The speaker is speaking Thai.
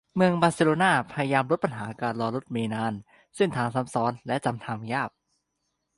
เมืองบาร์เซโลน่า พยายามลดปัญหาการรอรถเมล์นาน เส้นทางซ้ำซ้อน และจำทางยาก